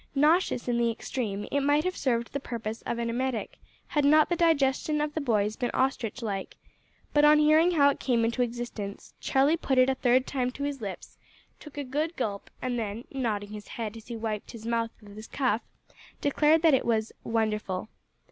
Nauseous in the extreme, it might have served the purpose of an emetic had not the digestion of the boys been ostrich like, but, on hearing how it came into existence, Charlie put it a third time to his lips, took a good gulp, and then, nodding his head as he wiped his mouth with his cuff, declared that it was "wonderful."